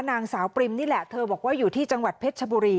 นางสาวปริมนี่แหละเธอบอกว่าอยู่ที่จังหวัดเพชรชบุรี